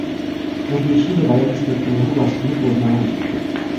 Pozdější doba je výsledkem jeho vlastního poznání.